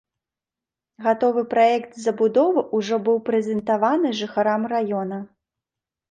Гатовы праект забудовы ўжо быў прэзентаваны жыхарам раёна.